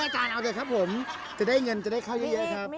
จะได้เงินจะได้เข้าเยอะ